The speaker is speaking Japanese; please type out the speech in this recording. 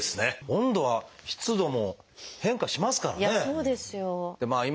温度は湿度も変化しますからね。